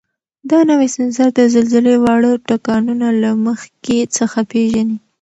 دا نوی سینسر د زلزلې واړه ټکانونه له مخکې څخه پېژني.